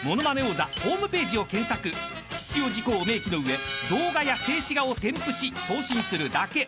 ［必要事項を明記の上動画や静止画を添付し送信するだけ］